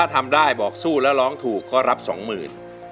ถ้าบอกสู้แล้วร้องถูกก็รับ๒๐๐๐บาท